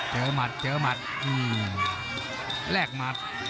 หมัดเจอหมัดแลกหมัด